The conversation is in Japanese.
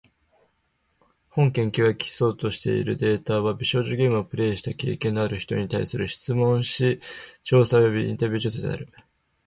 本研究が基礎としているデータは、美少女ゲームをプレイした経験のある人に対する質問紙調査およびインタビュー調査である。